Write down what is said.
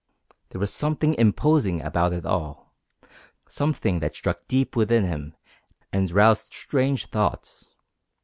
There was something imposing about it all, something that struck deep within him and roused strange thoughts.